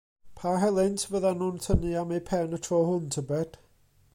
Pa helynt fyddan nhw'n tynnu am eu pen y tro hwn, tybed?